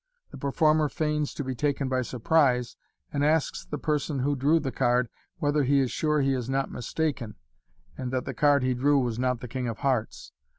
The performer feigns to be taken by surprise, and asks the person wha drew the card whether he is sure he is not mistaken, and that the card he drew was not the king of hearts.